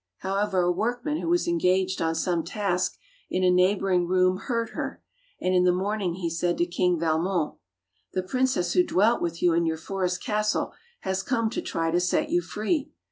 How ever, a workman who was engaged on some task in a neighboring room heard her, and in the morning he said to King Valmon: 139 Fairy Tale Bears ''The princess who dwelt with you in your forest castle has come to try to set you free.